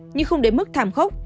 nhưng không đến mức thảm khốc